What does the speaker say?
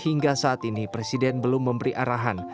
hingga saat ini presiden belum memberi arahan